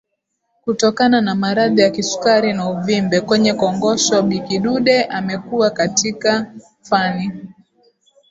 kutokana na maradhi ya kisukari na uvimbe kwenye Kongosho Bi Kidude amekuwa katika fani